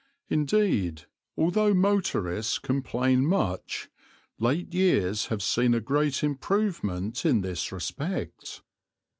Indeed, although motorists complain much, late years have seen a great improvement in this respect.